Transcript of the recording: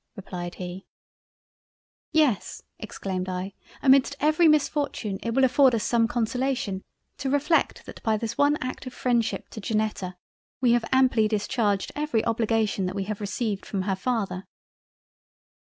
(replied he) "Yes, (exclaimed I) amidst every misfortune, it will afford us some consolation to reflect that by this one act of Freindship to Janetta, we have amply discharged every obligation that we have received from her father."